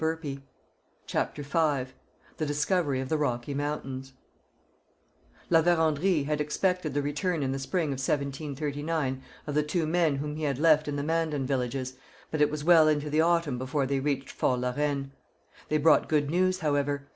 CHAPTER V THE DISCOVERY OF THE ROCKY MOUNTAINS La Vérendrye had expected the return in the spring of 1739 of the two men whom he had left in the Mandan villages, but it was well into the autumn before they reached Fort La Reine. They brought good news, however.